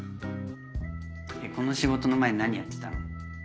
この仕事の前何やってたの？